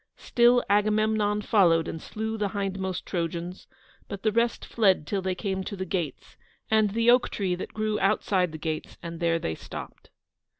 Still Agamemnon followed and slew the hindmost Trojans, but the rest fled till they came to the gates, and the oak tree that grew outside the gates, and there they stopped.